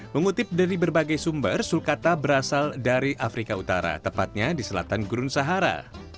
mengutip dari berbagai sumber sulkata berasal dari afrika utara tepatnya di selatan gurun sahara